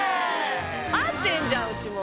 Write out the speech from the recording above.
合ってんじゃんうちも。